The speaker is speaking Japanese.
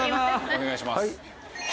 お願いします。